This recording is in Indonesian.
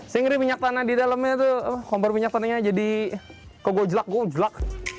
saya ngeri minyak tanah di dalamnya tuh kompor minyak tanahnya jadi kok gojlak gojlak